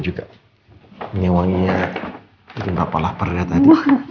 juga ini wanginya juga apalah perhatian